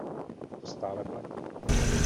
To stále platí.